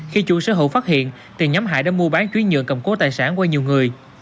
khi chủ sở hữu phát hiện thì nhóm hại đã mua bán chuyến nhượng cầm cố tài sản qua nhiều người